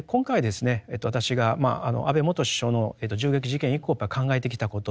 私が安倍元首相の銃撃事件以降考えてきたこと